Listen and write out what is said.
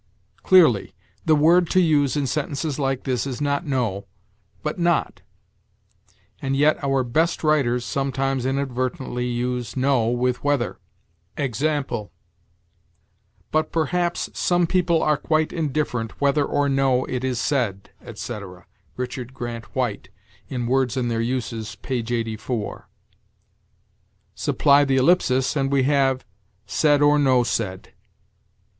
Clearly, the word to use in sentences like this is not no, but not. And yet our best writers sometimes inadvertently use no with whether. Example: "But perhaps some people are quite indifferent whether or no it is said," etc. Richard Grant White, in "Words and Their Uses," p. 84. Supply the ellipsis, and we have, "said or no said."